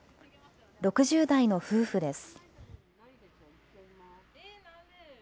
６０代の夫婦です。